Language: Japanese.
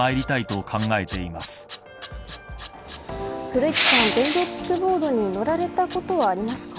古市さん、電動キックボードに乗られたことありますか。